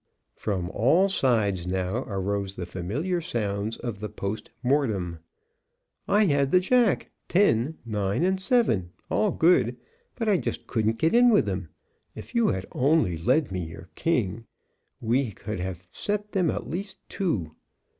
From all sides now arose the familiar sounds of the post mortem: "I had the jack, 10, 9, and 7, all good, but I just couldn't get in with them.... If you had only led me your king, we could have set them at least two....